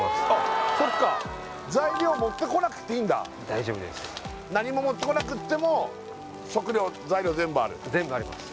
そっか材料持ってこなくていいんだ大丈夫です何も持ってこなくっても食料材料全部ある全部あります